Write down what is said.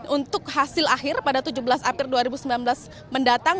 untuk hasil akhir pada tujuh belas april dua ribu sembilan belas mendatang